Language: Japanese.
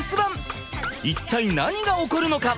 一体何が起こるのか？